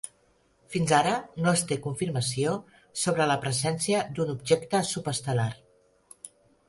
Fins ara no es té confirmació sobre la presència d'un objecte subestelar.